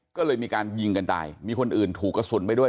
ก็เลยมีการยิงกันตายมีคนอื่นถูกกระสุนไปด้วย